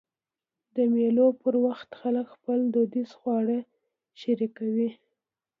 د مېلو پر وخت خلک خپل دودیز خواړه شریکوي.